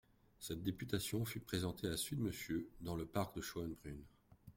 Cette députation fut présentée à sud Monsieur dans le parc de Schoenbrunn.